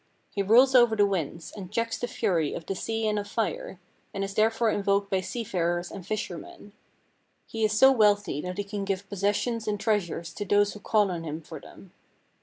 He rules over the winds, and checks the fury of the sea and of fire, and is therefore invoked by sea farers and fishermen. He is so wealthy that he can give possessions and treasures to those who call on him for them.